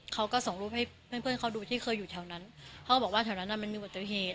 เขาก็ส่งรูปให้เพื่อนเพื่อนเขาดูที่เคยอยู่แถวนั้นเขาก็บอกว่าแถวนั้นอ่ะมันมีอุบัติเหตุ